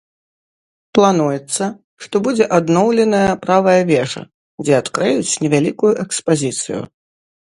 Плануецца, што будзе адноўленая правая вежа, дзе адкрыюць невялікую экспазіцыю.